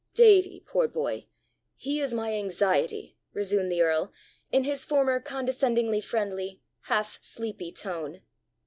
" Davie, poor boy he is my anxiety!" resumed the earl, in his former condescendingly friendly, half sleepy tone.